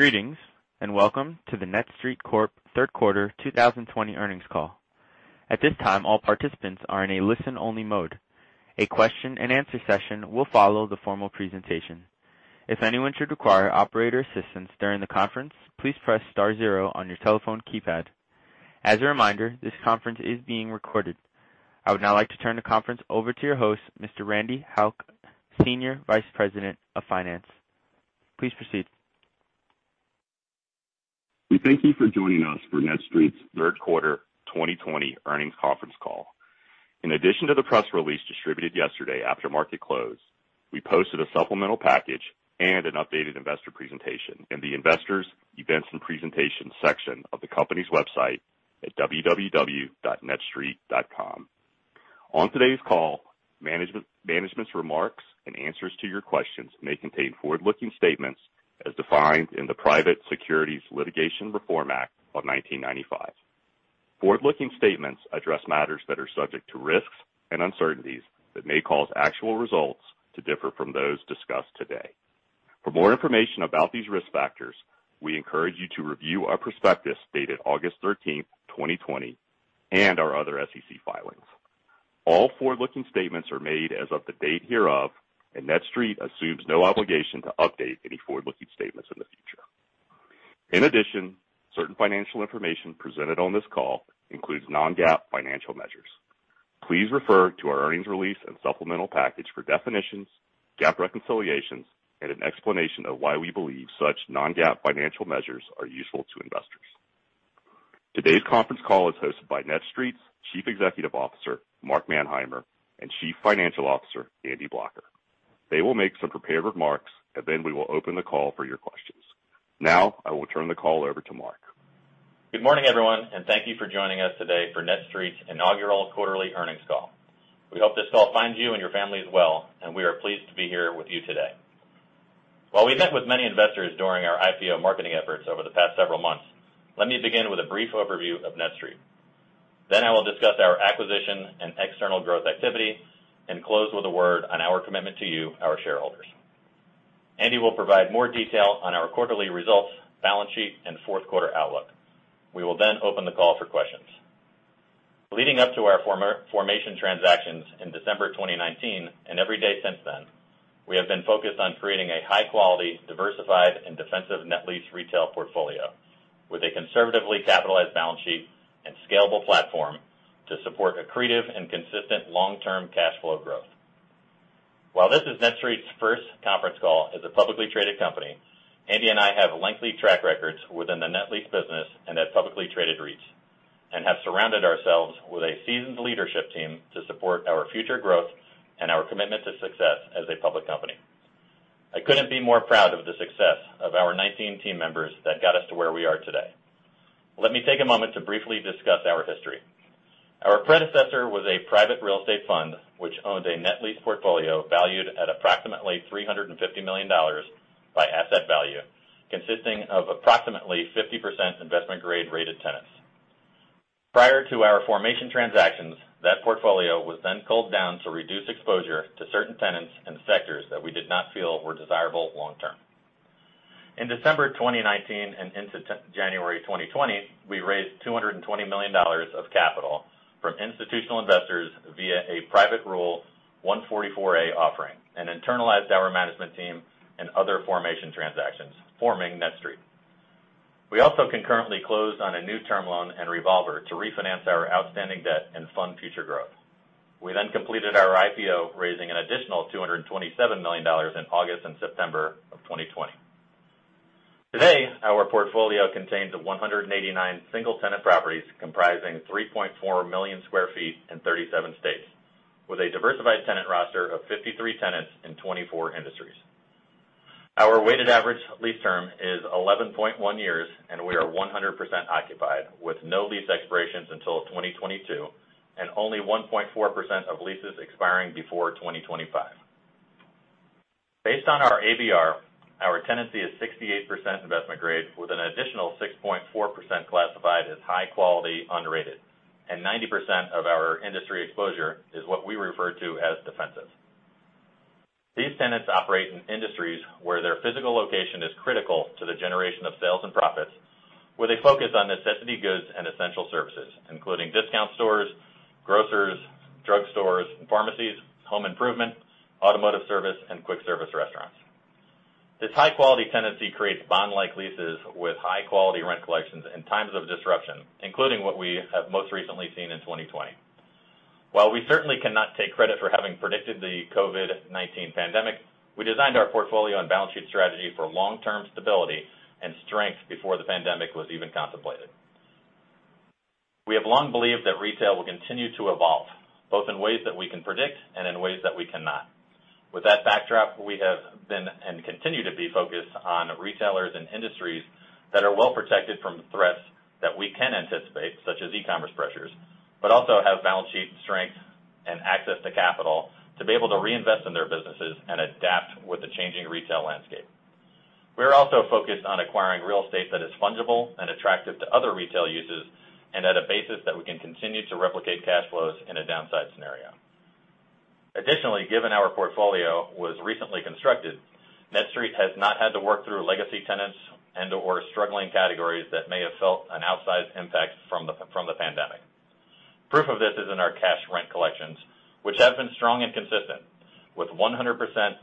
Greetings, and welcome to the NETSTREIT Corp third quarter 2020 earnings call. At this time, all participants are in a listen only mode. A question and answer session will follow the formal presentation. If anyone should require operator assistance during the conference, please press star zero on your telephone keypad. As a reminder, this conference is being recorded. I would now like to turn the conference over to your host, Mr. Randy Haugh, Senior Vice President of Finance. Please proceed. We thank you for joining us for NETSTREIT's third quarter 2020 earnings conference call. In addition to the press release distributed yesterday after market close, we posted a supplemental package and an updated investor presentation in the investors, events, and presentations section of the company's website at www.netstreit.com. On today's call, management's remarks and answers to your questions may contain forward-looking statements as defined in the Private Securities Litigation Reform Act of 1995. Forward-looking statements address matters that are subject to risks and uncertainties that may cause actual results to differ from those discussed today. For more information about these risk factors, we encourage you to review our prospectus dated August 13th, 2020, and our other SEC filings. All forward-looking statements are made as of the date hereof, and NETSTREIT assumes no obligation to update any forward-looking statements in the future. In addition, certain financial information presented on this call includes non-GAAP financial measures. Please refer to our earnings release and supplemental package for definitions, GAAP reconciliations, and an explanation of why we believe such non-GAAP financial measures are useful to investors. Today's conference call is hosted by NETSTREIT's Chief Executive Officer, Mark Manheimer, and Chief Financial Officer, Andy Blocher. They will make some prepared remarks, and then we will open the call for your questions. Now, I will turn the call over to Mark. Good morning, everyone, and thank you for joining us today for NETSTREIT's inaugural quarterly earnings call. We hope this call finds you and your families well, and we are pleased to be here with you today. While we met with many investors during our IPO marketing efforts over the past several months, let me begin with a brief overview of NETSTREIT. I will discuss our acquisition and external growth activity and close with a word on our commitment to you, our shareholders. Andy will provide more detail on our quarterly results, balance sheet, and fourth quarter outlook. We will then open the call for questions. Leading up to our formation transactions in December 2019 and every day since then, we have been focused on creating a high quality, diversified, and defensive net lease retail portfolio with a conservatively capitalized balance sheet and scalable platform to support accretive and consistent long-term cash flow growth. While this is NETSTREIT's first conference call as a publicly traded company, Andy and I have lengthy track records within the net lease business and at publicly traded REITs and have surrounded ourselves with a seasoned leadership team to support our future growth and our commitment to success as a public company. I couldn't be more proud of the success of our 19 team members that got us to where we are today. Let me take a moment to briefly discuss our history. Our predecessor was a private real estate fund, which owned a net lease portfolio valued at approximately $350 million by asset value, consisting of approximately 50% investment grade rated tenants. Prior to our formation transactions, that portfolio was then culled down to reduce exposure to certain tenants and sectors that we did not feel were desirable long term. In December 2019 and into January 2020, we raised $220 million of capital from institutional investors via a private Rule 144A offering and internalized our management team and other formation transactions, forming NETSTREIT. We also concurrently closed on a new term loan and revolver to refinance our outstanding debt and fund future growth. We then completed our IPO, raising an additional $227 million in August and September of 2020. Today, our portfolio contains 189 single-tenant properties comprising 3.4 million sq ft in 37 states with a diversified tenant roster of 53 tenants in 24 industries. Our weighted average lease term is 11.1 years, and we are 100% occupied with no lease expirations until 2022 and only 1.4% of leases expiring before 2025. Based on our ABR, our tenancy is 68% investment grade, with an additional 6.4% classified as high quality unrated, and 90% of our industry exposure is what we refer to as defensive. These tenants operate in industries where their physical location is critical to the generation of sales and profits, where they focus on necessity goods and essential services, including discount stores, grocers, drugstores, pharmacies, home improvement, automotive service, and quick service restaurants. This high-quality tenancy creates bond-like leases with high-quality rent collections in times of disruption, including what we have most recently seen in 2020. While we certainly cannot take credit for having predicted the COVID-19 pandemic, we designed our portfolio and balance sheet strategy for long-term stability and strength before the pandemic was even contemplated. We have long believed that retail will continue to evolve, both in ways that we can predict and in ways that we cannot. With that backdrop, we have been, and continue to be, focused on retailers and industries that are well protected from threats that we can anticipate, such as e-commerce pressures, but also have balance sheet strength and access to capital to be able to reinvest in their businesses and adapt with the changing retail landscape. We are also focused on acquiring real estate that is fungible and attractive to other retail uses and at a basis that we can continue to replicate cash flows in a downside scenario. Additionally, given our portfolio was recently constructed, NETSTREIT has not had to work through legacy tenants and/or struggling categories that may have felt an outsized impact from the pandemic. Proof of this is in our cash rent collections, which have been strong and consistent, with 100%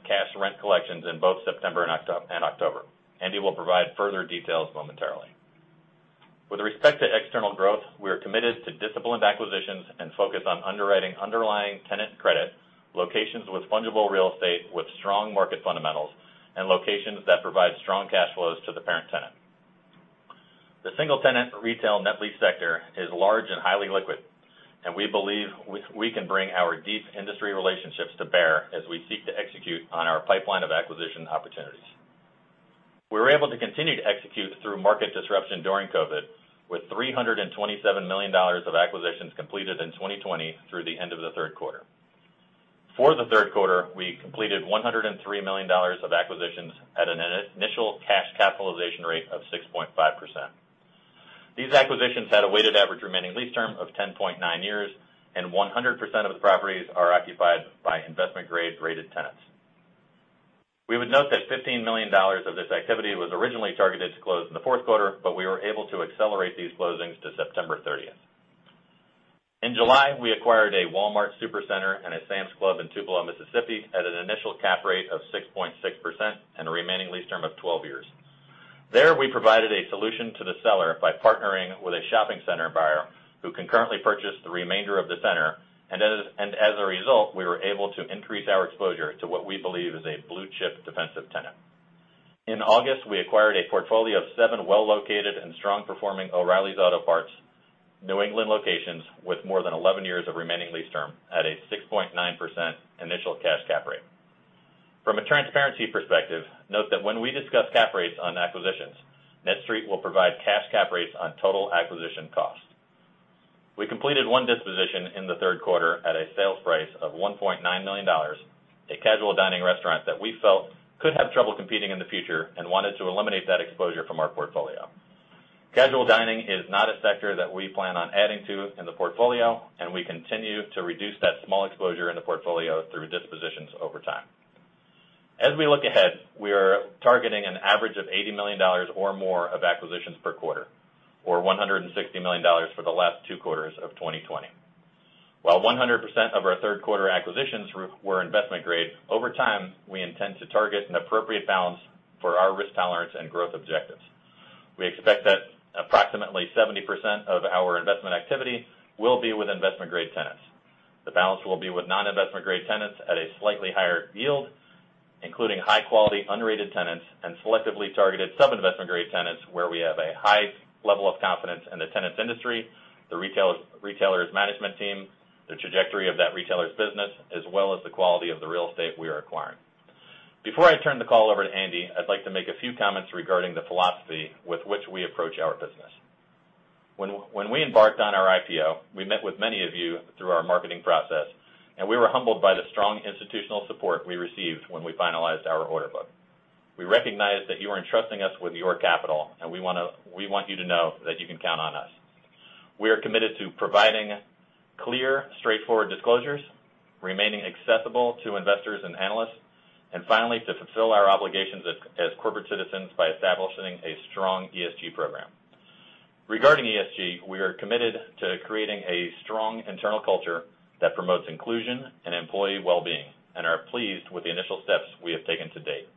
cash rent collections in both September and October. Andy will provide further details momentarily. With respect to external growth, we are committed to disciplined acquisitions and focus on underwriting underlying tenant credit, locations with fungible real estate with strong market fundamentals, and locations that provide strong cash flows to the parent tenant. The single-tenant retail net lease sector is large and highly liquid. We believe we can bring our deep industry relationships to bear as we seek to execute on our pipeline of acquisition opportunities. We were able to continue to execute through market disruption during COVID, with $327 million of acquisitions completed in 2020 through the end of the third quarter. For the third quarter, we completed $103 million of acquisitions at an initial cash capitalization rate of 6.5%. These acquisitions had a weighted average remaining lease term of 10.9 years, 100% of the properties are occupied by investment grade rated tenants. We would note that $15 million of this activity was originally targeted to close in the fourth quarter. We were able to accelerate these closings to September 30th. In July, we acquired a Walmart Supercenter and a Sam's Club in Tupelo, Mississippi, at an initial cap rate of 6.6% and a remaining lease term of 12 years. There, we provided a solution to the seller by partnering with a shopping center buyer who concurrently purchased the remainder of the center, and as a result, we were able to increase our exposure to what we believe is a blue-chip defensive tenant. In August, we acquired a portfolio of seven well-located and strong-performing O'Reilly Auto Parts New England locations with more than 11 years of remaining lease term at a 6.9% initial cash cap rate. From a transparency perspective, note that when we discuss cap rates on acquisitions, NETSTREIT will provide cash cap rates on total acquisition costs. We completed one disposition in the third quarter at a sales price of $1.9 million, a casual dining restaurant that we felt could have trouble competing in the future and wanted to eliminate that exposure from our portfolio. Casual dining is not a sector that we plan on adding to in the portfolio, and we continue to reduce that small exposure in the portfolio through dispositions over time. As we look ahead, we are targeting an average of $80 million or more of acquisitions per quarter, or $160 million for the last two quarters of 2020. While 100% of our third quarter acquisitions were investment-grade, over time, we intend to target an appropriate balance for our risk tolerance and growth objectives. We expect that approximately 70% of our investment activity will be with investment-grade tenants. The balance will be with non-investment grade tenants at a slightly higher yield, including high-quality unrated tenants and selectively targeted sub-investment grade tenants where we have a high level of confidence in the tenant's industry, the retailer's management team, the trajectory of that retailer's business, as well as the quality of the real estate we are acquiring. Before I turn the call over to Andy, I'd like to make a few comments regarding the philosophy with which we approach our business. When we embarked on our IPO, we met with many of you through our marketing process, and we were humbled by the strong institutional support we received when we finalized our order book. We recognize that you are entrusting us with your capital, and we want you to know that you can count on us. We are committed to providing clear, straightforward disclosures, remaining accessible to investors and analysts, and finally, to fulfill our obligations as corporate citizens by establishing a strong ESG program. Regarding ESG, we are committed to creating a strong internal culture that promotes inclusion and employee well-being and are pleased with the initial steps we have taken to date.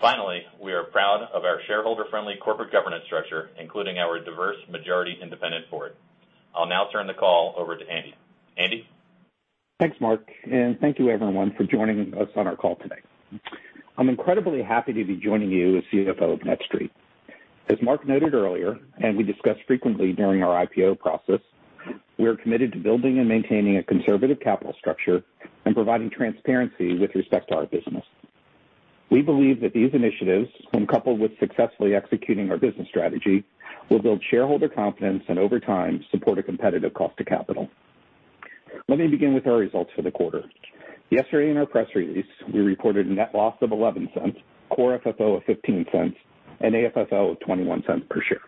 Finally, we are proud of our shareholder-friendly corporate governance structure, including our diverse majority independent board. I'll now turn the call over to Andy. Andy? Thanks, Mark. Thank you everyone for joining us on our call today. I'm incredibly happy to be joining you as CFO of NETSTREIT. As Mark noted earlier, and we discussed frequently during our IPO process, we are committed to building and maintaining a conservative capital structure and providing transparency with respect to our business. We believe that these initiatives, when coupled with successfully executing our business strategy, will build shareholder confidence and over time, support a competitive cost to capital. Let me begin with our results for the quarter. Yesterday in our press release, we reported a net loss of $0.11, core FFO of $0.15, and AFFO of $0.21 per share.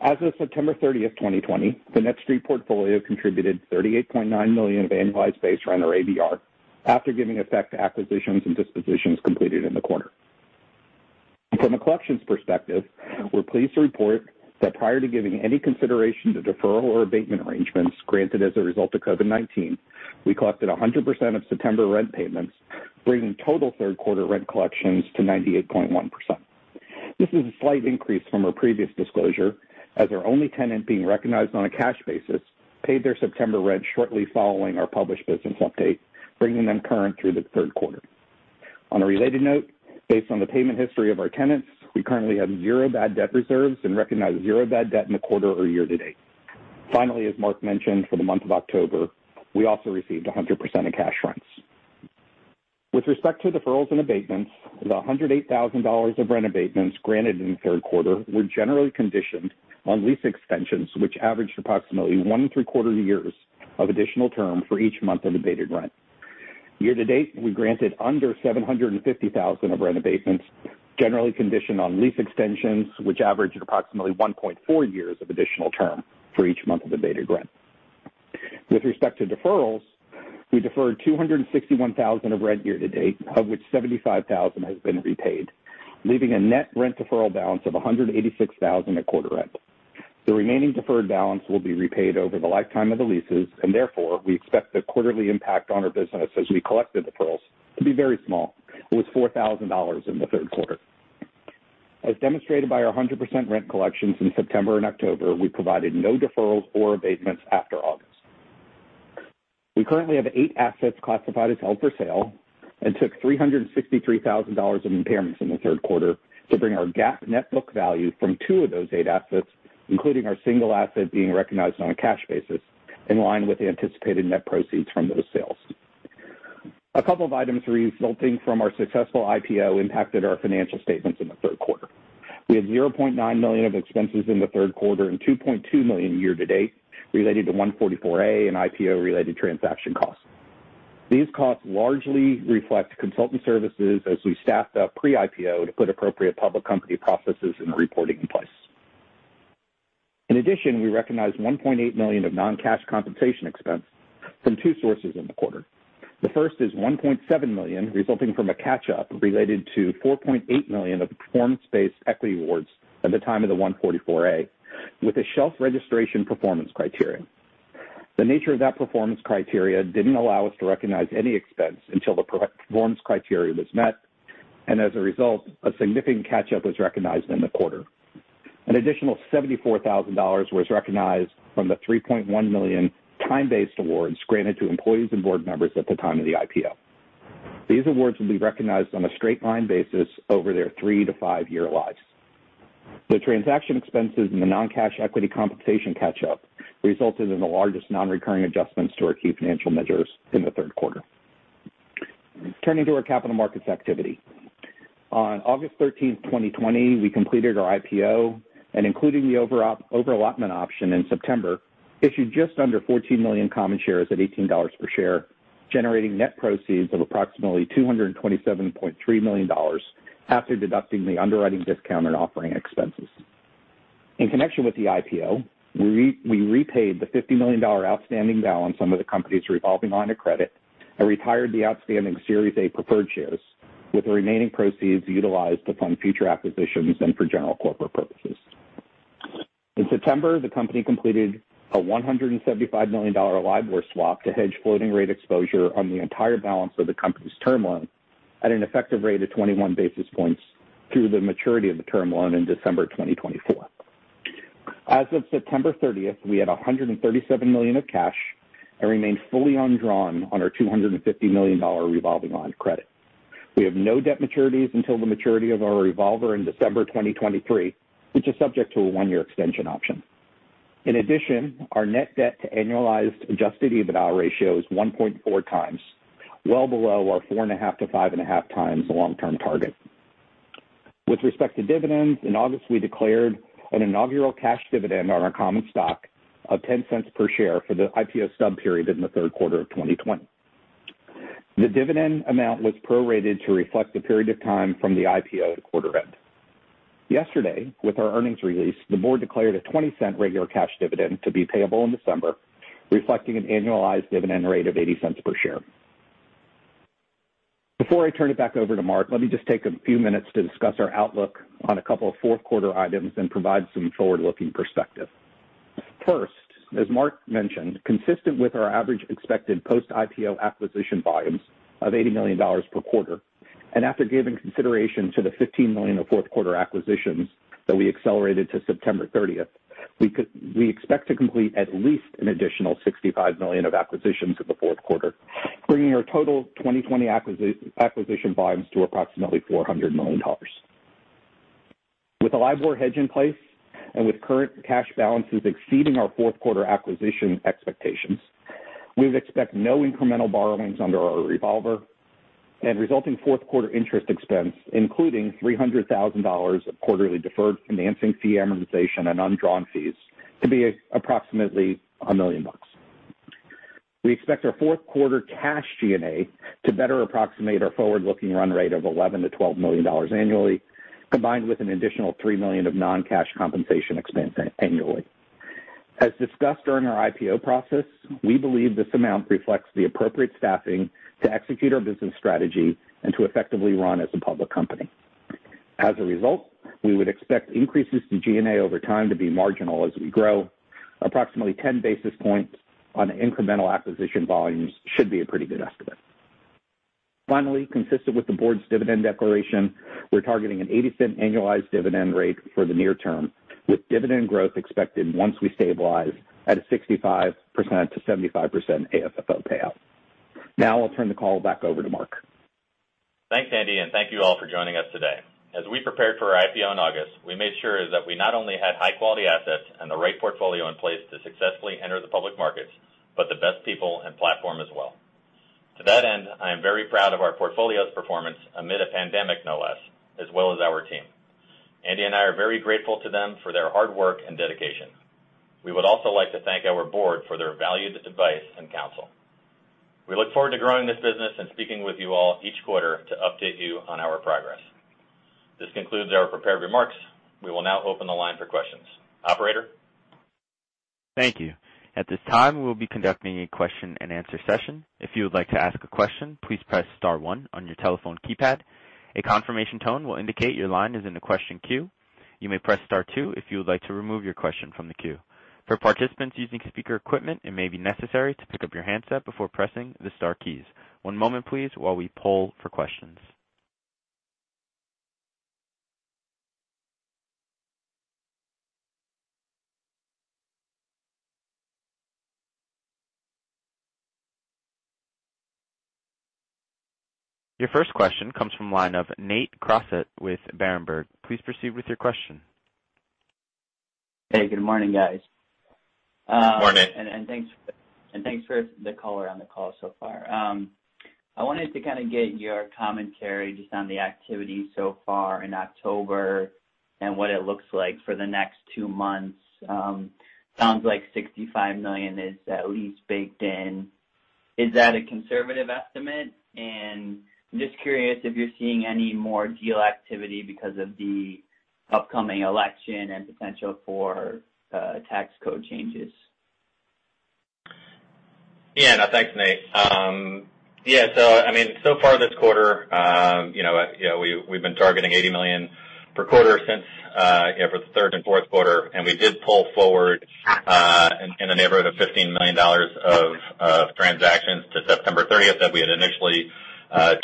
As of September 30th, 2020, the NETSTREIT portfolio contributed $38.9 million of annualized base rent or ABR after giving effect to acquisitions and dispositions completed in the quarter. From a collections perspective, we're pleased to report that prior to giving any consideration to deferral or abatement arrangements granted as a result of COVID-19, we collected 100% of September rent payments, bringing total third quarter rent collections to 98.1%. This is a slight increase from our previous disclosure, as our only tenant being recognized on a cash basis paid their September rent shortly following our published business update, bringing them current through the third quarter. On a related note, based on the payment history of our tenants, we currently have zero bad debt reserves and recognized zero bad debt in the quarter or year to date. Finally, as Mark mentioned, for the month of October, we also received 100% of cash rents. With respect to deferrals and abatements, the $108,000 of rent abatements granted in the third quarter were generally conditioned on lease extensions which averaged approximately one and three quarter years of additional term for each month of abated rent. Year to date, we granted under $750,000 of rent abatements, generally conditioned on lease extensions, which average approximately 1.4 years of additional term for each month of abated rent. With respect to deferrals, we deferred $261,000 of rent year to date, of which $75,000 has been repaid, leaving a net rent deferral balance of $186,000 at quarter end. The remaining deferred balance will be repaid over the lifetime of the leases, and therefore, we expect the quarterly impact on our business as we collect the deferrals to be very small, with $4,000 in the third quarter. As demonstrated by our 100% rent collections in September and October, we provided no deferrals or abatements after August. We currently have eight assets classified as held for sale and took $363,000 of impairments in the third quarter to bring our GAAP net book value from two of those eight assets, including our single asset being recognized on a cash basis, in line with the anticipated net proceeds from those sales. A couple of items resulting from our successful IPO impacted our financial statements in the third quarter. We had $0.9 million of expenses in the third quarter and $2.2 million year to date related to 144A and IPO-related transaction costs. These costs largely reflect consultant services as we staffed up pre-IPO to put appropriate public company processes and reporting in place. In addition, we recognized $1.8 million of non-cash compensation expense from two sources in the quarter. The first is $1.7 million resulting from a catch-up related to $4.8 million of performance-based equity awards at the time of the 144A with a shelf registration performance criterion. The nature of that performance criteria didn't allow us to recognize any expense until the performance criteria was met. As a result, a significant catch-up was recognized in the quarter. An additional $74,000 was recognized from the $3.1 million time-based awards granted to employees and board members at the time of the IPO. These awards will be recognized on a straight line basis over their three to five-year lives. The transaction expenses and the non-cash equity compensation catch-up resulted in the largest non-recurring adjustments to our key financial measures in the third quarter. Turning to our capital markets activity. On August 13th, 2020, we completed our IPO and including the overallotment option in September, issued just under 14 million common shares at $18 per share, generating net proceeds of approximately $227.3 million after deducting the underwriting discount and offering expenses. In connection with the IPO, we repaid the $50 million outstanding balance on the company's revolving line of credit and retired the outstanding Series A preferred shares with the remaining proceeds utilized to fund future acquisitions and for general corporate purposes. In September, the company completed a $175 million LIBOR swap to hedge floating rate exposure on the entire balance of the company's term loan at an effective rate of 21 basis points through the maturity of the term loan in December 2024. As of September 30th, we had $137 million of cash and remain fully undrawn on our $250 million revolving line of credit. We have no debt maturities until the maturity of our revolver in December 2023, which is subject to a one-year extension option. Our net debt to annualized adjusted EBITDA ratio is 1.4x, well below our 4.5x-5.5x long-term target. With respect to dividends, in August, we declared an inaugural cash dividend on our common stock of $0.10 per share for the IPO stub period in the third quarter of 2020. The dividend amount was prorated to reflect the period of time from the IPO to quarter end. Yesterday, with our earnings release, the board declared a $0.20 regular cash dividend to be payable in December, reflecting an annualized dividend rate of $0.80 per share. Before I turn it back over to Mark, let me just take a few minutes to discuss our outlook on a couple of fourth quarter items and provide some forward-looking perspective. First, as Mark mentioned, consistent with our average expected post-IPO acquisition volumes of $80 million per quarter, and after giving consideration to the $15 million of fourth quarter acquisitions that we accelerated to September 30th, we expect to complete at least an additional $65 million of acquisitions in the fourth quarter, bringing our total 2020 acquisition volumes to approximately $400 million. With the LIBOR hedge in place and with current cash balances exceeding our fourth quarter acquisition expectations, we would expect no incremental borrowings under our revolver and resulting fourth quarter interest expense, including $300,000 of quarterly deferred financing fee amortization and undrawn fees, to be approximately $1 million. We expect our fourth quarter cash G&A to better approximate our forward-looking run rate of $11 million-$12 million annually, combined with an additional $3 million of non-cash compensation expense annually. As discussed during our IPO process, we believe this amount reflects the appropriate staffing to execute our business strategy and to effectively run as a public company. We would expect increases to G&A over time to be marginal as we grow. Approximately 10 basis points on the incremental acquisition volumes should be a pretty good estimate. Finally, consistent with the board's dividend declaration, we're targeting an $0.80 annualized dividend rate for the near term, with dividend growth expected once we stabilize at a 65%-75% AFFO payout. I'll turn the call back over to Mark. Thanks, Andy, and thank you all for joining us today. As we prepared for our IPO in August, we made sure that we not only had high-quality assets and the right portfolio in place to successfully enter the public markets, but the best people and platform as well. To that end, I am very proud of our portfolio's performance amid a pandemic, no less, as well as our team. Andy and I are very grateful to them for their hard work and dedication. We would also like to thank our board for their valued advice and counsel. We look forward to growing this business and speaking with you all each quarter to update you on our progress. This concludes our prepared remarks. We will now open the line for questions. Operator? Thank you. At this time, we will be conducting a question-and-answer session. If you would like to ask a question, please press star one on your telephone keypad. A confirmation tone will indicate your line is in the question queue. You may press star two if you'd like to remove your question from the queue. For participants, using speaker equipment, it may be necessary to pick up your handset before pressing the star keys. One moment please while we poll for questions. Your first question comes from the line of Nate Crossett with Berenberg. Please proceed with your question. Hey, good morning, guys. Morning. Thanks for the color on the call so far. I wanted to get your commentary just on the activity so far in October and what it looks like for the next two months. Sounds like $65 million is at least baked in. Is that a conservative estimate? I'm just curious if you're seeing any more deal activity because of the upcoming election and potential for tax code changes. Yeah, no, thanks, Nate. Yeah. So far this quarter, we've been targeting $80 million per quarter since the third and fourth quarter, and we did pull forward in the neighborhood of $15 million of transactions to September 30th that we had initially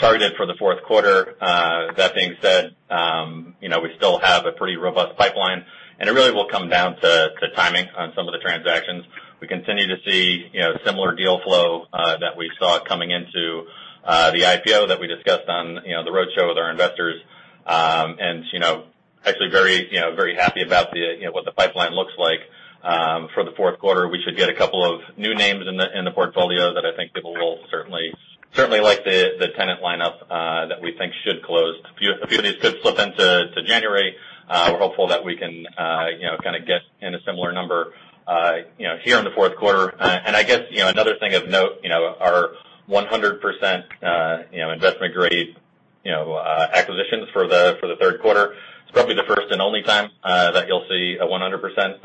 targeted for the fourth quarter. That being said, we still have a pretty robust pipeline, and it really will come down to timing on some of the transactions. We continue to see similar deal flow that we saw coming into the IPO that we discussed on the roadshow with our investors. Actually very happy about what the pipeline looks like for the fourth quarter. We should get a couple of new names in the portfolio that I think people will certainly like the tenant lineup, that we think should close. A few of these could slip into January. We're hopeful that we can get in a similar number here in the fourth quarter. I guess, another thing of note, our 100% investment-grade acquisitions for the third quarter, it's probably the first and only time that you'll see 100%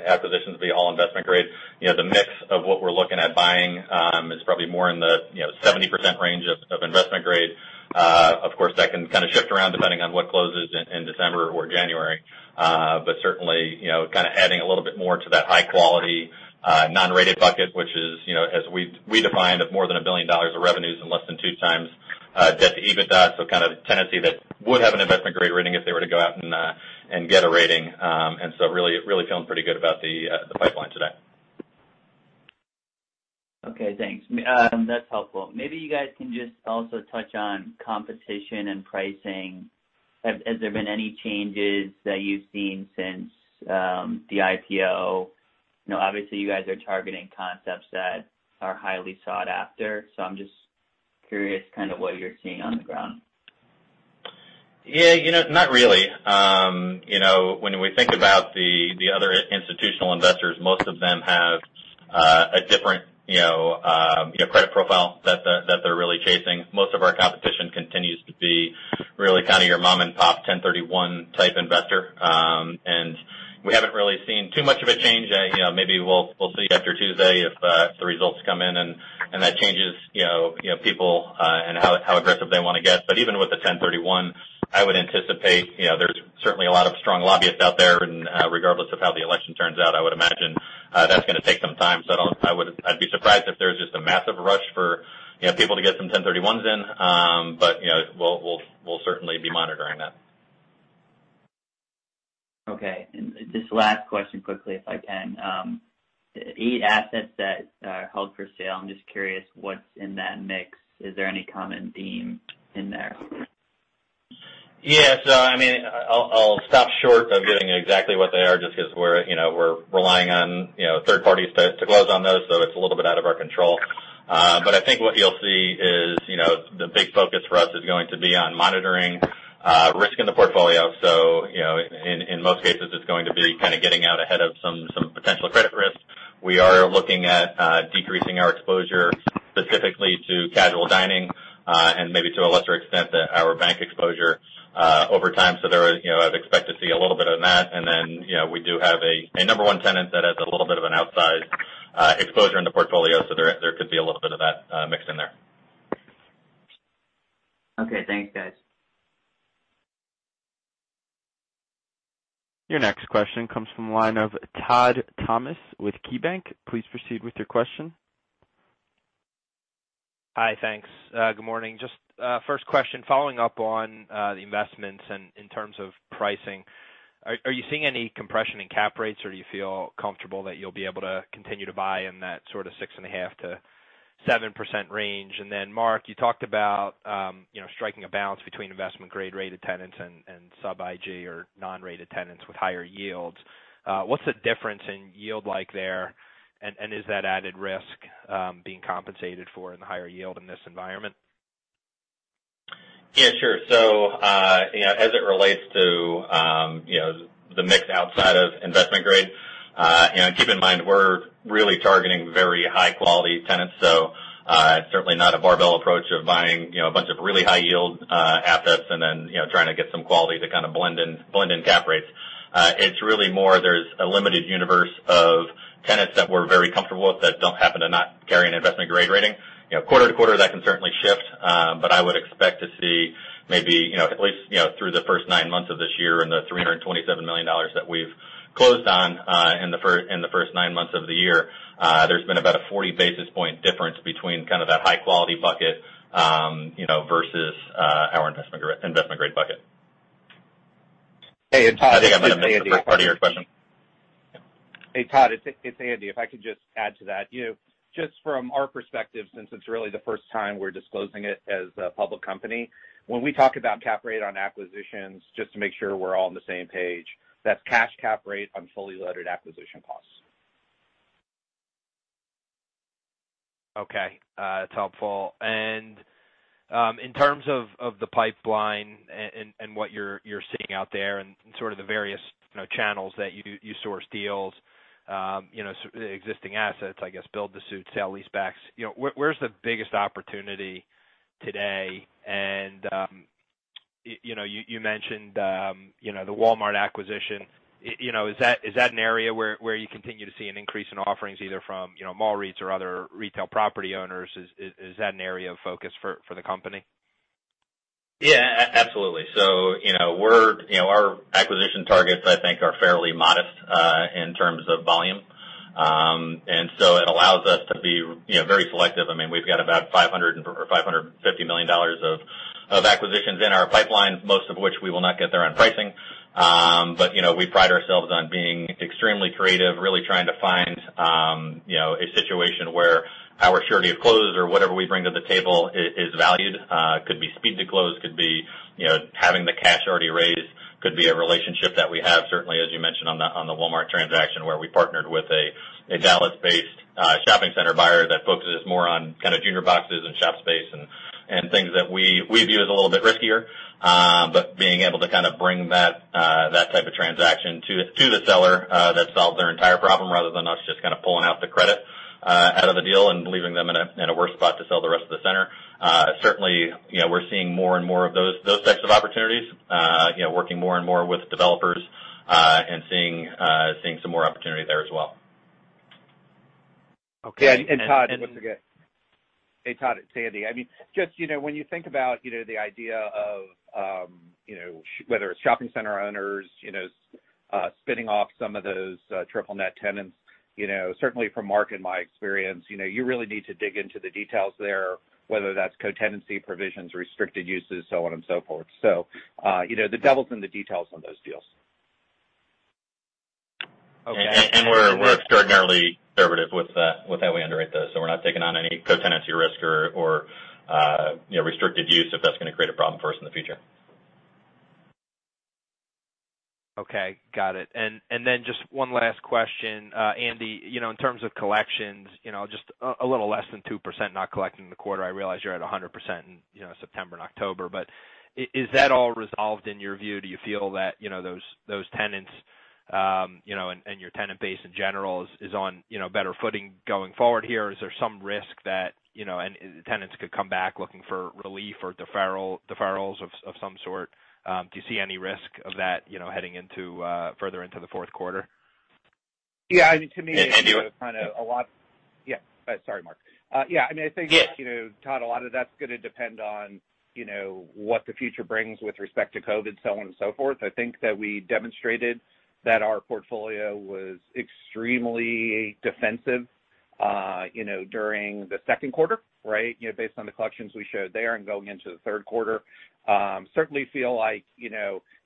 acquisitions be all investment grade. The mix of what we're looking at buying is probably more in the 70% range of investment grade. Of course, that can kind of shift around depending on what closes in December or January. Certainly, kind of adding a little bit more to that high-quality, non-rated bucket, which is, as we define of more than $1 billion of revenues and less than 2x, debt to EBITDA. Kind of a tenancy that would have an investment-grade rating if they were to go out and get a rating. Really feeling pretty good about the pipeline today. Okay, thanks. That's helpful. Maybe you guys can just also touch on competition and pricing. Has there been any changes that you've seen since the IPO? Obviously, you guys are targeting concepts that are highly sought after, so I'm just curious kind of what you're seeing on the ground. Yeah. Not really. When we think about the other institutional investors, most of them have a different credit profile that they're really chasing. Most of our competition continues to be really kind of your mom-and-pop 1031-type investor. We haven't really seen too much of a change. Maybe we'll see after Tuesday if the results come in and that changes people, and how aggressive they want to get. Even with the 1031, I would anticipate there's certainly a lot of strong lobbyists out there, and regardless of how the election turns out, I would imagine that's gonna take some time. I'd be surprised if there's just a massive rush for people to get some 1031s in. We'll certainly be monitoring that. Okay. Just last question quickly, if I can. eight assets that are held for sale, I'm just curious what's in that mix. Is there any common theme in there? Yeah. I'll stop short of giving exactly what they are just because we're relying on third parties to close on those, so it's a little bit out of our control. I think what you'll see is the big focus for us is going to be on monitoring risk in the portfolio. In most cases, it's going to be kind of getting out ahead of some potential credit risk. We are looking at decreasing our exposure specifically to casual dining, and maybe to a lesser extent, our bank exposure over time. I would expect to see a little bit of that. Then, we do have a number one tenant that has a little bit of an outsized exposure in the portfolio, so there could be a little bit of that mixed in there. Okay, thanks, guys. Your next question comes from the line of Todd Thomas with KeyBanc. Please proceed with your question. Hi, thanks. Good morning. Just first question, following up on the investments in terms of pricing, are you seeing any compression in cap rates, or do you feel comfortable that you'll be able to continue to buy in that sort of 6.5%-7% range? Mark, you talked about striking a balance between investment-grade rated tenants and sub IG or non-rated tenants with higher yields. What's the difference in yield like there, and is that added risk being compensated for in the higher yield in this environment? Yeah, sure. As it relates to the mix outside of investment-grade, keep in mind, we're really targeting very high-quality tenants. It's certainly not a barbell approach of buying a bunch of really high yield assets and then trying to get some quality to kind of blend in cap rates. It's really more, there's a limited universe of tenants that we're very comfortable with that don't happen to not carry an investment-grade rating. Quarter-to-quarter, that can certainly shift. I would expect to see maybe at least through the first nine months of this year and the $327 million that we've closed on in the first nine months of the year, there's been about a 40 basis point difference between kind of that high-quality bucket versus our investment-grade bucket. Hey, Todd, it's Andy again. I think I might have missed the first part of your question. Hey, Todd, it's Andy. If I could just add to that. Just from our perspective, since it's really the first time we're disclosing it as a public company, when we talk about cap rate on acquisitions, just to make sure we're all on the same page, that's cash cap rate on fully loaded acquisition costs. Okay. That's helpful. In terms of the pipeline and what you're seeing out there and sort of the various channels that you source deals, existing assets, I guess, build to suit, sale-leasebacks. Where's the biggest opportunity today? You mentioned the Walmart acquisition. Is that an area where you continue to see an increase in offerings either from mall REITs or other retail property owners? Is that an area of focus for the company? Yeah, absolutely. Our acquisition targets, I think, are fairly modest in terms of volume. It allows us to be very selective. We've got about $500 million or $550 million of acquisitions in our pipeline, most of which we will not get there on pricing. We pride ourselves on being extremely creative, really trying to find a situation where our surety of close or whatever we bring to the table is valued. Could be speed to close, could be having the cash already raised, could be a relationship that we have. Certainly, as you mentioned on the Walmart transaction, where we partnered with a Dallas-based shopping center buyer that focuses more on kind of junior boxes and shop space and things that we view as a little bit riskier. Being able to kind of bring that type of transaction to the seller that solves their entire problem, rather than us just kind of pulling out the credit out of the deal and leaving them in a worse spot to sell the rest of the center. Certainly, we're seeing more and more of those types of opportunities, working more and more with developers, and seeing some more opportunity there as well. Okay. Yeah, Todd, once again. Hey, Todd, it's Andy. Just when you think about the idea of whether it's shopping center owners spinning off some of those triple net tenants. Certainly from Mark and my experience, you really need to dig into the details there, whether that's co-tenancy provisions, restricted uses, so on and so forth. The devil's in the details on those deals. Okay. We're extraordinarily conservative with how we underwrite those. We're not taking on any co-tenancy risk or restricted use if that's gonna create a problem for us in the future. Okay, got it. Then just one last question. Andy, in terms of collections, just a little less than 2% not collecting in the quarter. I realize you're at 100% in September and October, but is that all resolved in your view? Do you feel that those tenants and your tenant base in general is on better footing going forward here? Is there some risk that tenants could come back looking for relief or deferrals of some sort? Do you see any risk of that heading further into the fourth quarter? Yeah, to me. Andy. Yeah. Sorry, Mark. Todd, a lot of that's gonna depend on what the future brings with respect to COVID, so on and so forth. I think that we demonstrated that our portfolio was extremely defensive during the second quarter, based on the collections we showed there and going into the third quarter. Certainly feel like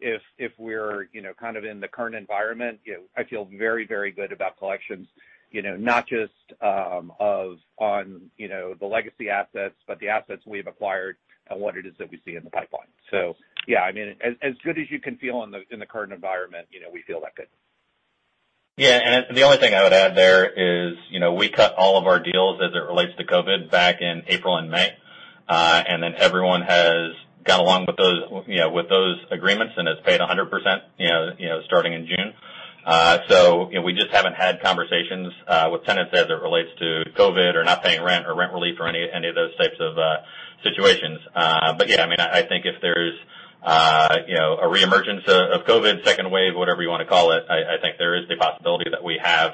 if we're kind of in the current environment, I feel very, very good about collections, not just on the legacy assets, but the assets we've acquired and what it is that we see in the pipeline. Yeah, as good as you can feel in the current environment, we feel that good. Yeah. The only thing I would add there is, we cut all of our deals as it relates to COVID back in April and May. Everyone has gone along with those agreements and has paid 100% starting in June. We just haven't had conversations with tenants as it relates to COVID or not paying rent or rent relief or any of those types of situations. Yeah, I think if there's a reemergence of COVID, second wave, whatever you want to call it, I think there is the possibility that we have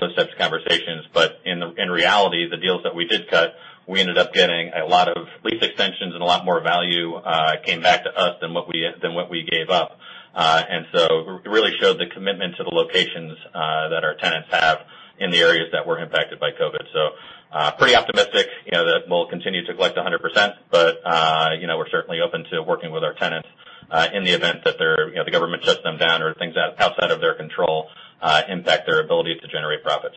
those types of conversations. In reality, the deals that we did cut, we ended up getting a lot of lease extensions and a lot more value came back to us than what we gave up. It really showed the commitment to the locations that our tenants have in the areas that were impacted by COVID. Pretty optimistic that we'll continue to collect 100%, but we're certainly open to working with our tenants in the event that the government shuts them down or things outside of their control impact their ability to generate profits.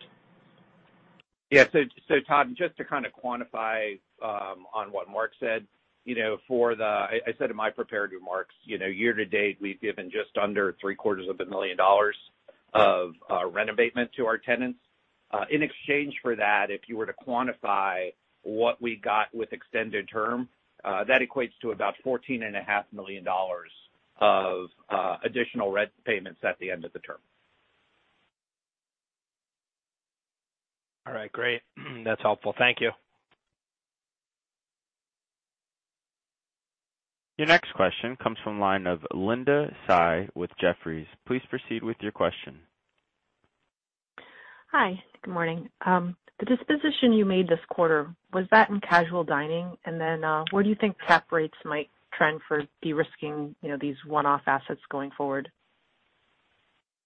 Todd, just to kind of quantify on what Mark said. I said in my prepared remarks, year to date, we've given just under three-quarters of a million dollars of rent abatement to our tenants. In exchange for that, if you were to quantify what we got with extended term, that equates to about $14.5 million of additional rent payments at the end of the term. All right, great. That's helpful. Thank you. Your next question comes from the line of Linda Tsai with Jefferies. Please proceed with your question. Hi, good morning. The disposition you made this quarter, was that in casual dining? Where do you think cap rates might trend for de-risking these one-off assets going forward?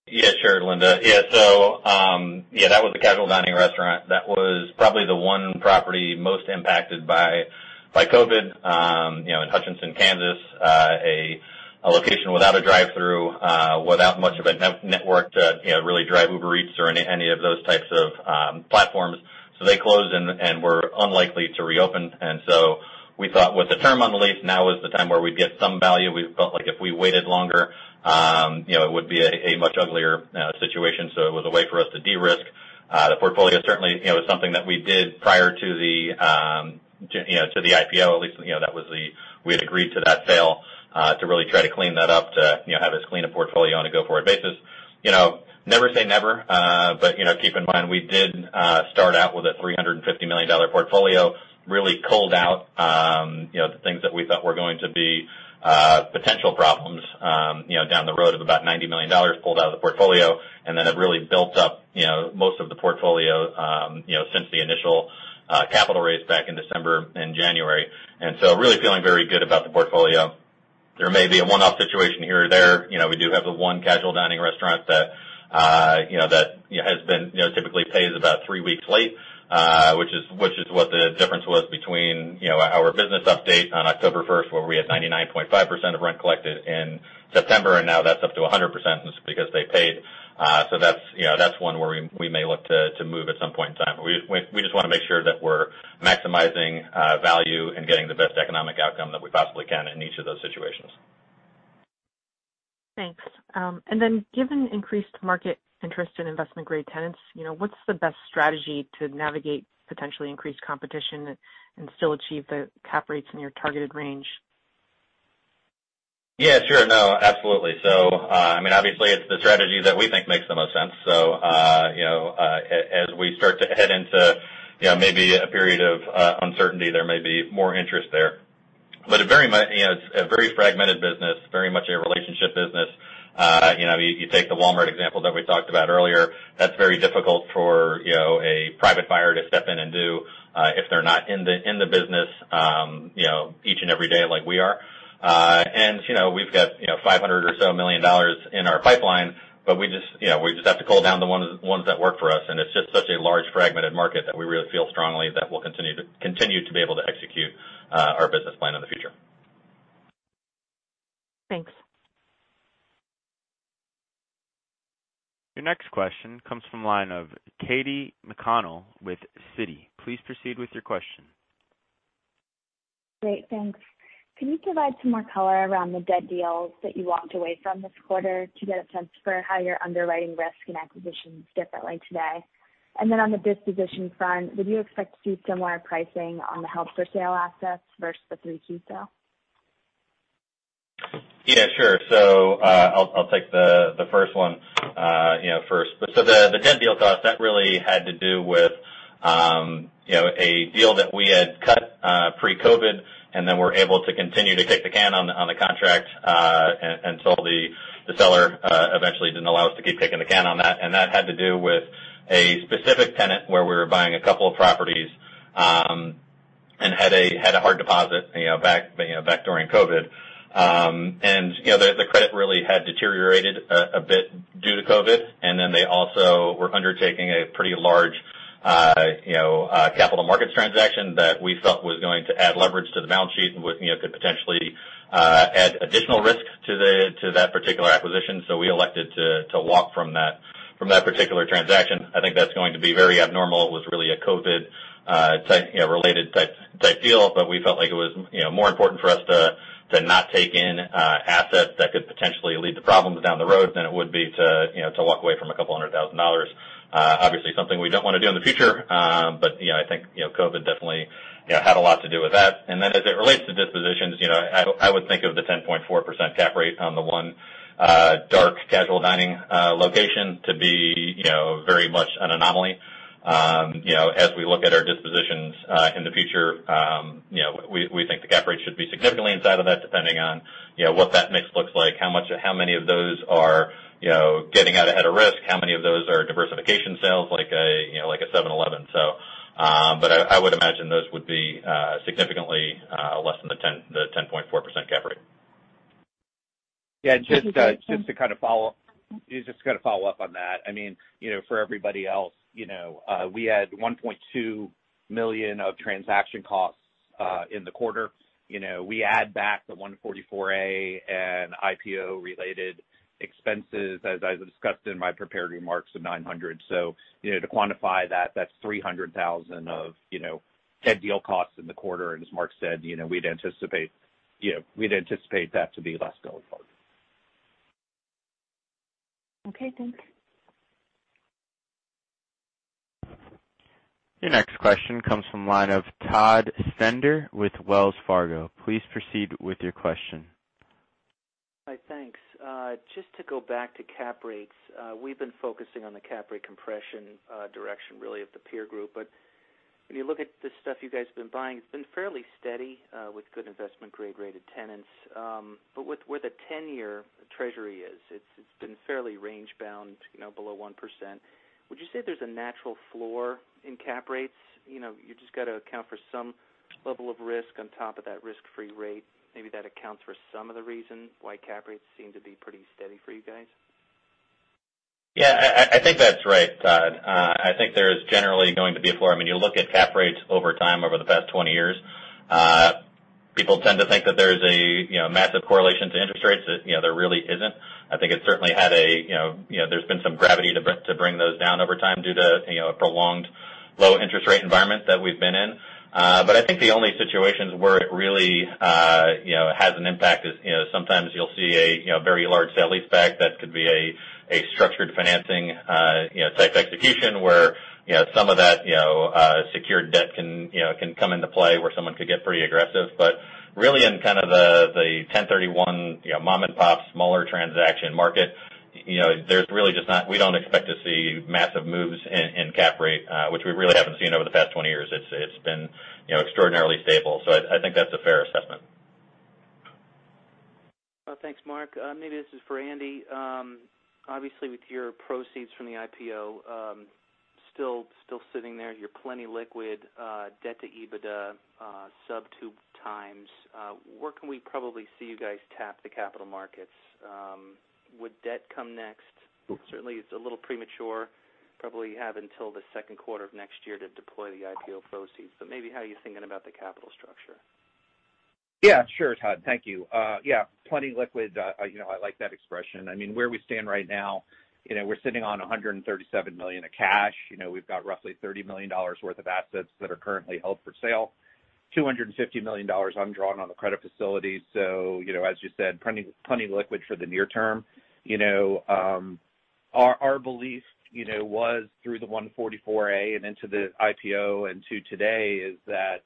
Sure, Linda. That was a casual dining restaurant. That was probably the one property most impacted by COVID, in Hutchinson, Kansas, a location without a drive-through, without much of a network to really drive Uber Eats or any of those types of platforms. They closed and were unlikely to reopen. We thought with the term on the lease, now is the time where we'd get some value. We felt like if we waited longer, it would be a much uglier situation. It was a way for us to de-risk the portfolio. Certainly, it was something that we did prior to the IPO, at least, we had agreed to that sale, to really try to clean that up to have as clean a portfolio on a go-forward basis. Never say never, keep in mind, we did start out with a $350 million portfolio. Really culled out the things that we thought were going to be potential problems down the road of about $90 million pulled out of the portfolio, then have really built up most of the portfolio since the initial capital raise back in December and January. Really feeling very good about the portfolio. There may be a one-off situation here or there. We do have the one casual dining restaurant that typically pays about three weeks late, which is what the difference was between our business update on October 1st, where we had 99.5% of rent collected in September, and now that's up to 100%, and it's because they paid. That's one where we may look to move at some point in time. We just want to make sure that we're maximizing value and getting the best economic outcome that we possibly can in each of those situations. Thanks. Given increased market interest in investment-grade tenants, what's the best strategy to navigate potentially increased competition and still achieve the cap rates in your targeted range? Yeah, sure. No, absolutely. Obviously, it's the strategy that we think makes the most sense. As we start to head into maybe a period of uncertainty, there may be more interest there. It's a very fragmented business, very much a relationship business. You take the Walmart example that we talked about earlier. That's very difficult for a private buyer to step in and do if they're not in the business each and every day like we are. We've got $500 million or so in our pipeline, but we just have to cull down the ones that work for us, and it's just such a large fragmented market that we really feel strongly that we'll continue to be able to execute our business plan in the future. Thanks. Your next question comes from the line of Katy McConnell with Citi. Please proceed with your question. Great, thanks. Can you provide some more color around the dead deals that you walked away from this quarter to get a sense for how you're underwriting risk and acquisitions differently today? On the disposition front, would you expect to see similar pricing on the held-for-sale assets versus the 3Q sale? Yeah, sure. I'll take the first one first. The dead deal cost, that really had to do with a deal that we had cut pre-COVID, and then were able to continue to kick the can on the contract, until the seller eventually didn't allow us to keep kicking the can on that. That had to do with a specific tenant where we were buying a couple of properties, and had a hard deposit back during COVID. The credit really had deteriorated a bit due to COVID, and then they also were undertaking a pretty large capital markets transaction that we felt was going to add leverage to the balance sheet and could potentially add additional risk to that particular acquisition. We elected to walk from that particular transaction. I think that's going to be very abnormal. It was really a COVID-related type deal. We felt like it was more important for us to not take in assets that could potentially lead to problems down the road than it would be to walk away from a couple hundred thousand dollars. Obviously, something we don't want to do in the future. I think COVID definitely had a lot to do with that. As it relates to dispositions, I would think of the 10.4% cap rate on the one dark casual dining location to be very much an anomaly. As we look at our dispositions in the future, we think the cap rate should be significantly inside of that, depending on what that mix looks like, how many of those are getting out ahead of risk, how many of those are diversification sales, like a 7-Eleven. I would imagine those would be significantly less than the 10.4% cap rate. Yeah. Just to kind of follow up on that. For everybody else, we had $1.2 million of transaction costs in the quarter. We add back the 144A and IPO-related expenses, as I discussed in my prepared remarks of $900,000. To quantify that's $300,000 of dead deal costs in the quarter. As Mark said, we'd anticipate. Yeah, we'd anticipate that to be less going forward. Okay, thanks. Your next question comes from the line of Todd Stender with Wells Fargo. Please proceed with your question. Hi, thanks. Just to go back to cap rates. We've been focusing on the cap rate compression direction, really of the peer group. When you look at the stuff you guys have been buying, it's been fairly steady with good investment-grade rated tenants. Where the 10-year Treasury is, it's been fairly range bound, below 1%. Would you say there's a natural floor in cap rates? You've just got to account for some level of risk on top of that risk-free rate. Maybe that accounts for some of the reason why cap rates seem to be pretty steady for you guys. Yeah, I think that's right, Todd. I think there's generally going to be a floor. When you look at cap rates over time, over the past 20 years, people tend to think that there's a massive correlation to interest rates. There really isn't. I think it certainly There's been some gravity to bring those down over time due to a prolonged low interest rate environment that we've been in. I think the only situations where it really has an impact is sometimes you'll see a very large sale leaseback that could be a structured financing type execution, where some of that secured debt can come into play where someone could get pretty aggressive. Really in kind of the 1031 mom-and-pop smaller transaction market, we don't expect to see massive moves in cap rate, which we really haven't seen over the past 20 years. It's been extraordinarily stable. I think that's a fair assessment. Thanks, Mark. Maybe this is for Andy. Obviously, with your proceeds from the IPO still sitting there, you're plenty liquid, debt to EBITDA sub 2x. Where can we probably see you guys tap the capital markets? Would debt come next? Certainly, it's a little premature. Probably have until the second quarter of next year to deploy the IPO proceeds, but maybe how you're thinking about the capital structure? Yeah, sure, Todd. Thank you. Yeah, plenty liquid. Where we stand right now, we're sitting on $137 million of cash. We've got roughly $30 million worth of assets that are currently held for sale, $250 million undrawn on the credit facility. As you said, plenty liquid for the near term. Our belief was through the 144A and into the IPO and to today is that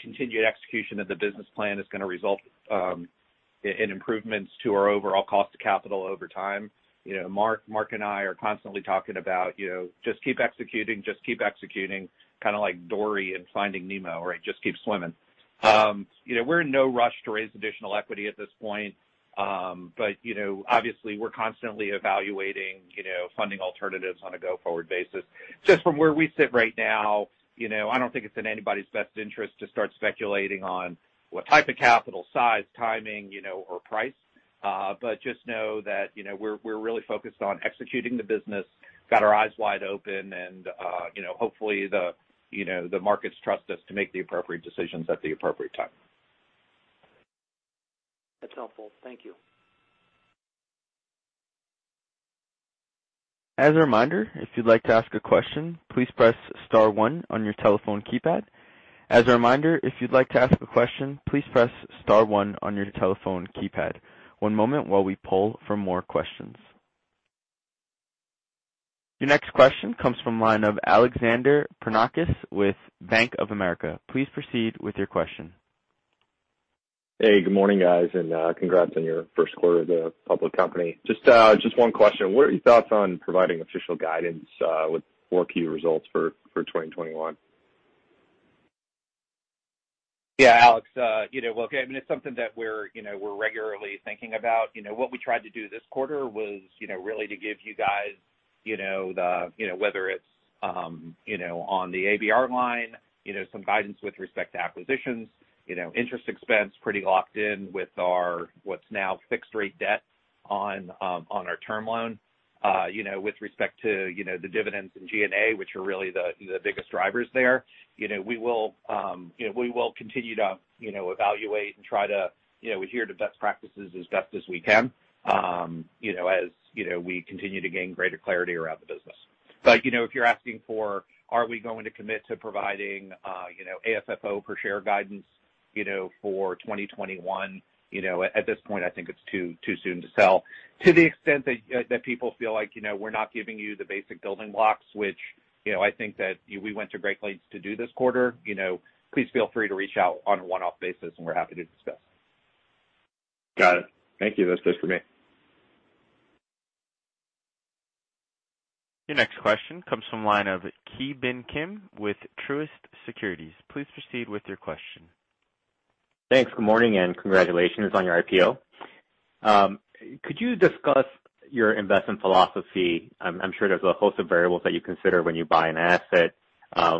continued execution of the business plan is going to result in improvements to our overall cost of capital over time. Mark and I are constantly talking about just keep executing, just keep executing. Kind of like Dory in Finding Nemo, where it just keeps swimming. We're in no rush to raise additional equity at this point. Obviously we're constantly evaluating funding alternatives on a go-forward basis. Just from where we sit right now, I don't think it's in anybody's best interest to start speculating on what type of capital size, timing, or price. Just know that we're really focused on executing the business, got our eyes wide open. Hopefully the markets trust us to make the appropriate decisions at the appropriate time. That's helpful. Thank you. As a reminder, if you'd like to ask a question, please press star one on your telephone keypad. As a reminder, if you'd like to ask a question, please press star one on your telephone keypad. One moment while we pull for more questions. Your next question comes from the line of Alexander Pernokas with Bank of America. Please proceed with your question. Hey, good morning, guys, and congrats on your first quarter as a public company. Just one question. What are your thoughts on providing official guidance with 4Q results for 2021? Yeah, Alex. Look, it's something that we're regularly thinking about. What we tried to do this quarter was really to give you guys, whether it's on the ABR line, some guidance with respect to acquisitions, interest expense pretty locked in with our what's now fixed rate debt on our term loan. With respect to the dividends and G&A, which are really the biggest drivers there. We will continue to evaluate and try to adhere to best practices as best as we can as we continue to gain greater clarity around the business. If you're asking for are we going to commit to providing AFFO per share guidance for 2021, at this point, I think it's too soon to tell. To the extent that people feel like we're not giving you the basic building blocks, which I think that we went to great lengths to do this quarter, please feel free to reach out on a one-off basis, and we're happy to discuss. Got it. Thank you. That's it for me. Your next question comes from the line of Ki Bin Kim with Truist Securities. Please proceed with your question. Thanks. Good morning, and congratulations on your IPO. Could you discuss your investment philosophy? I'm sure there's a host of variables that you consider when you buy an asset.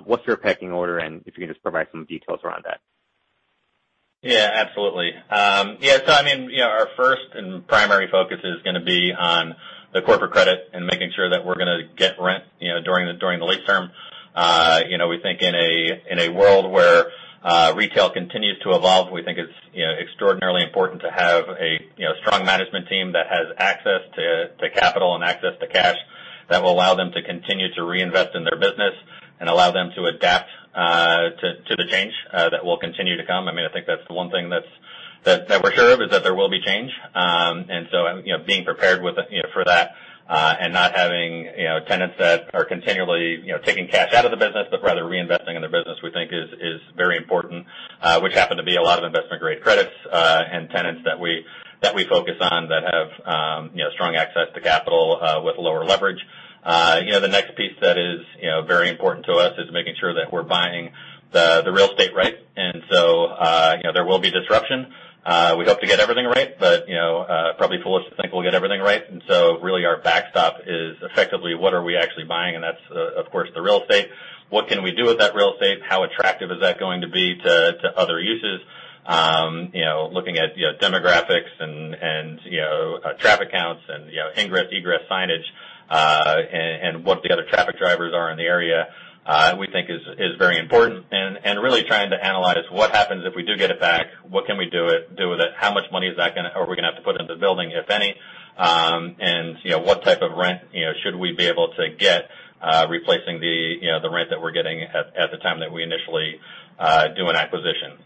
What's your pecking order, and if you can just provide some details around that. Yeah, absolutely. Our first and primary focus is going to be on the corporate credit and making sure that we're going to get rent during the lease term. We think in a world where retail continues to evolve, we think it's extraordinarily important to have a strong management team that has access to capital and the cash that will allow them to continue to reinvest in their business and allow them to adapt to the change that will continue to come. I think that's the one thing that we're sure of, is that there will be change. Being prepared for that and not having tenants that are continually taking cash out of the business, but rather reinvesting in their business, we think is very important, which happen to be a lot of investment-grade credits and tenants that we focus on that have strong access to capital with lower leverage. The next piece that is very important to us is making sure that we're buying the real estate right. There will be disruption. We hope to get everything right, but probably foolish to think we'll get everything right. Really our backstop is effectively what are we actually buying, and that's, of course, the real estate. What can we do with that real estate? How attractive is that going to be to other uses? Looking at demographics and traffic counts and ingress, egress signage, and what the other traffic drivers are in the area, we think is very important. Really trying to analyze what happens if we do get it back, what can we do with it? How much money are we going to have to put into the building, if any? What type of rent should we be able to get replacing the rent that we're getting at the time that we initially do an acquisition.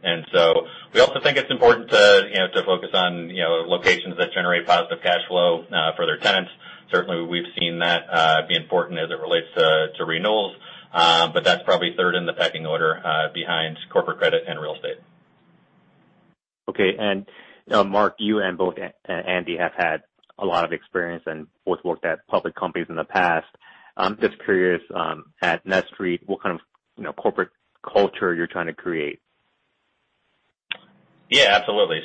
We also think it's important to focus on locations that generate positive cash flow for their tenants. Certainly, we've seen that be important as it relates to renewals. That's probably third in the pecking order behind corporate credit and real estate. Okay. Mark, you and both Andy have had a lot of experience and both worked at public companies in the past. I'm just curious, at NETSTREIT, what kind of corporate culture you're trying to create? Yeah, absolutely.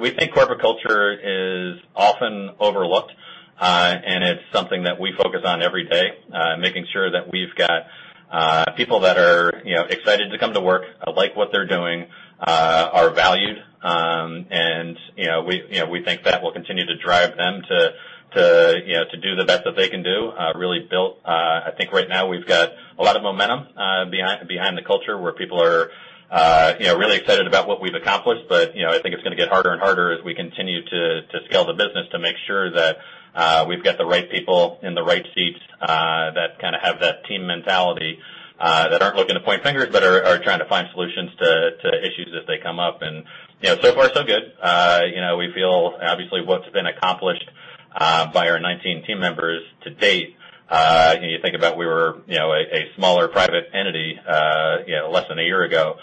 We think corporate culture is often overlooked, and it's something that we focus on every day, making sure that we've got people that are excited to come to work, like what they're doing, are valued. We think that will continue to drive them to do the best that they can do. I think right now we've got a lot of momentum behind the culture, where people are really excited about what we've accomplished. I think it's going to get harder and harder as we continue to scale the business to make sure that we've got the right people in the right seats, that kind of have that team mentality, that aren't looking to point fingers, but are trying to find solutions to issues as they come up. So far so good. We feel, obviously, what's been accomplished by our 19 team members to date. You think about we were a smaller private entity less than a year ago,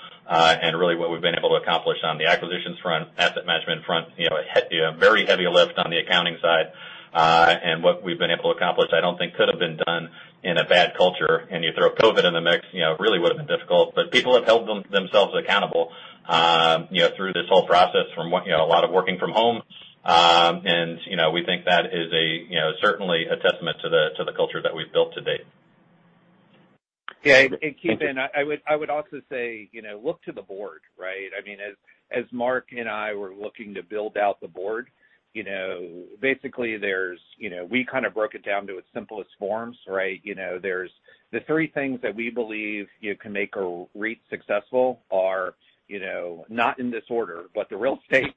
really what we've been able to accomplish on the acquisitions front, asset management front, a very heavy lift on the accounting side. What we've been able to accomplish, I don't think could have been done in a bad culture. You throw COVID-19 in the mix, it really would've been difficult. People have held themselves accountable through this whole process from a lot of working from home. We think that is certainly a testament to the culture that we've built to date. Yeah. Thank you. Ki Bin, I would also say look to the board, right? As Mark and I were looking to build out the board, basically we kind of broke it down to its simplest forms, right? There's the three things that we believe you can make a REIT successful are, not in this order, but the real estate,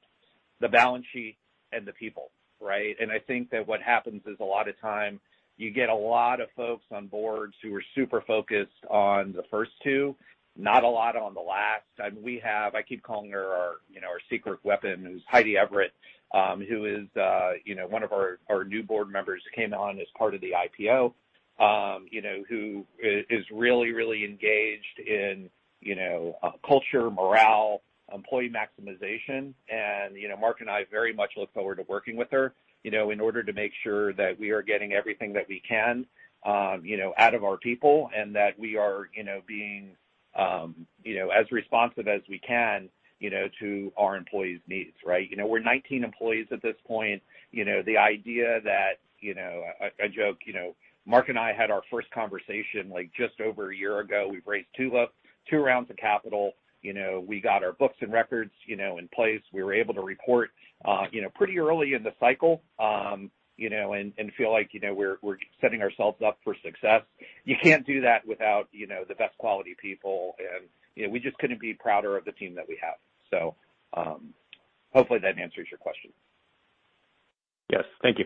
the balance sheet, and the people, right? I think that what happens is a lot of time, you get a lot of folks on boards who are super focused on the first two, not a lot on the last. We have, I keep calling her our secret weapon, who's Heidi Everett, who is one of our new board members who came on as part of the IPO, who is really, really engaged in culture, morale, employee maximization. Mark and I very much look forward to working with her in order to make sure that we are getting everything that we can out of our people, and that we are being as responsive as we can to our employees' needs, right? We're 19 employees at this point. The idea that I joke, Mark and I had our first conversation just over a year ago. We've raised two rounds of capital. We got our books and records in place. We were able to report pretty early in the cycle, and feel like we're setting ourselves up for success. You can't do that without the best quality people. We just couldn't be prouder of the team that we have. Hopefully that answers your question. Yes. Thank you.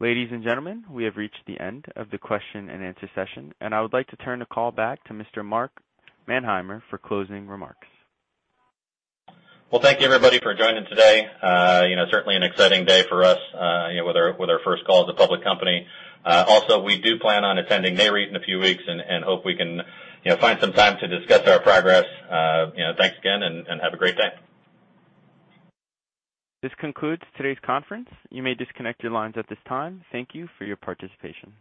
Ladies and gentlemen, we have reached the end of the question and answer session, and I would like to turn the call back to Mr. Mark Manheimer for closing remarks. Well, thank you everybody for joining today. Certainly an exciting day for us with our first call as a public company. Also, we do plan on attending Nareit in a few weeks, and hope we can find some time to discuss our progress. Thanks again, and have a great day. This concludes today's conference. You may disconnect your lines at this time. Thank you for your participation.